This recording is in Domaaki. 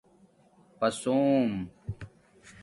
پسُݸم